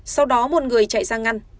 sau đó một người chạy ra ngăn